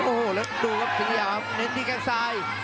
โอ้โหแล้วดูครับสิงหยามในที่แก๊กซ้าย